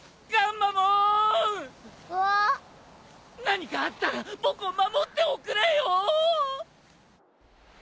何かあったら僕を守っておくれよ！